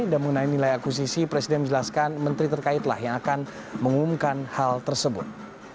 dan mengenai nilai akusisi presiden menjelaskan menteri terkaitlah yang akan mengumumkan hal tersebut